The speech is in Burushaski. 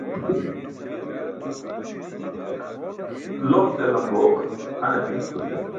Loq ke lamboq han api.